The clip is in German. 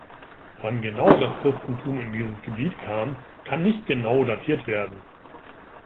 Wann genau das Christentum in dieses Gebiet kam, kann nicht genau datiert werden.